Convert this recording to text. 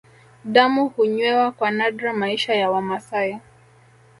Damu hunywewa kwa nadra Maisha ya Wamasai